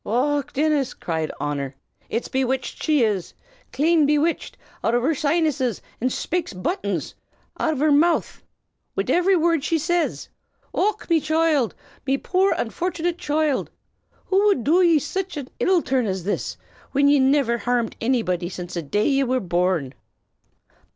"Och, Dinnis!" cried Honor, "it's bewitched she is, clane bewitched out o' her sinses, an shpakes buttons out av her mouth wid ivery worrd she siz. Och, me choild! me poor, misfortunate choild! Who wud do ye sich an ill turn as this, whin ye niver harmed annybody since the day ye were born?"